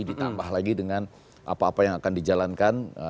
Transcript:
ditambah lagi dengan apa apa yang akan dijalankan